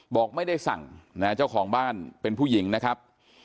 บอกไม่ได้สั่งนะเจ้าของบ้านเป็นผู้หญิงนะครับ